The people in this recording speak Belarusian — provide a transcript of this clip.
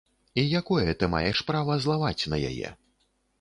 І якое ты маеш права злаваць на яе?